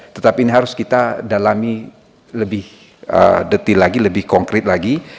tetapi ini harus kita dalami lebih detail lagi lebih konkret lagi